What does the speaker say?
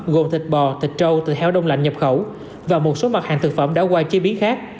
gồm thịt bò thịt trâu từ heo đông lạnh nhập khẩu và một số mặt hàng thực phẩm đã qua chế biến khác